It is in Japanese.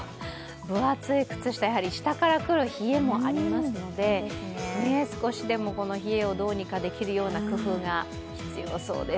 分厚い靴下下から来る冷えもありますので、少しでもこの冷えをどうにかできるような工夫が必要そうです。